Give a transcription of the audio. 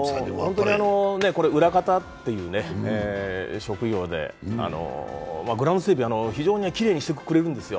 裏方という職業でグラウンド整備、非常にきれいにしてくれるんですよ。